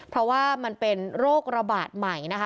เพราะว่ามันเป็นโรคระบาดใหม่นะคะ